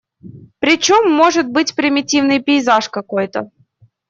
Причем, может быть примитивный пейзаж какой-то.